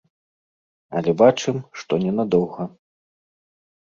Але бачым, што ненадоўга.